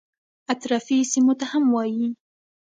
اطرافي سیمو ته هم وایي.